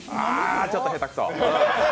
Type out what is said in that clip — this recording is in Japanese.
ちょっと下手くそ。